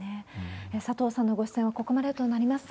佐藤さんのご出演はここまでとなります。